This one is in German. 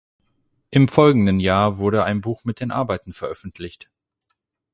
Im folgenden Jahr wurde ein Buch mit den Arbeiten veröffentlicht.